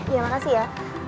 ya makasih ya